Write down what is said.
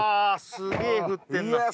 すげえ降ってんな雪